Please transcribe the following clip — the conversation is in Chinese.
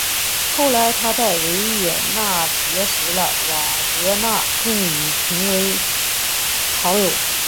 后来他在维也纳结识了瓦格纳并与之成为好友。